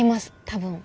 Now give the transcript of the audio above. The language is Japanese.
多分。